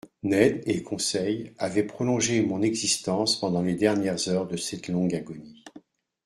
Ned et Conseil avaient prolongé mon existence pendant les dernières heures de cette longue agonie.